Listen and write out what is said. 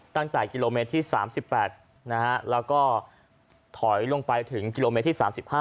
ตั้งแต่กิโลเมตรที่๓๘แล้วก็ถอยลงไปถึงกิโลเมตรที่๓๕